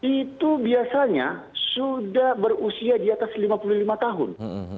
itu biasanya sudah berusia di atas lima puluh lima tahun